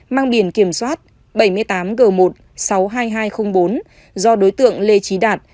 mang biển kiểm soát bảy mươi tám g một sáu mươi hai nghìn hai trăm linh bốn do đối tượng lê trí đạt